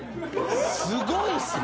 すごいっすね！